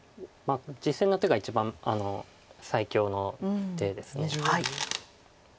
実戦の手が一番最強の手です。